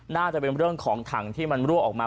น่าจะเป็นเรื่องของถังที่มันรั่วออกมา